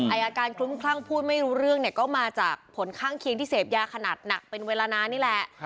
อาการคลุ้มคลั่งพูดไม่รู้เรื่องเนี่ยก็มาจากผลข้างเคียงที่เสพยาขนาดหนักเป็นเวลานานนี่แหละ